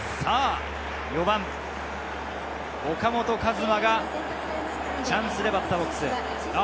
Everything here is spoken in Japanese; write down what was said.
４番・岡本和真がチャンスでバッターボックス。